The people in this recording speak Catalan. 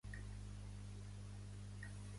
Pertany al moviment independentista la Micaela?